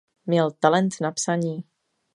Měl talent na psaní.